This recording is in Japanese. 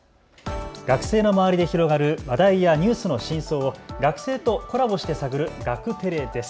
学生の周りで広がる話題やニュースの深層を学生とコラボして探るガクテレです。